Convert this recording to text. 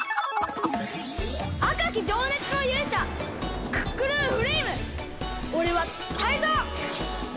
あかきじょうねつのゆうしゃクックルンフレイムおれはタイゾウ！